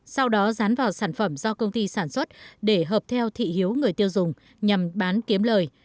sau đó dán vào sản phẩm do công ty sản xuất để hợp theo thị hiếu người tiêu dùng nhằm bán kiếm lời